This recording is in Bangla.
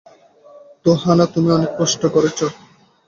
তো হা-না, তুমি অনেক কষ্ট করেছ।